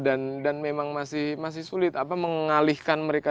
dan memang masih sulit mengalihkan mereka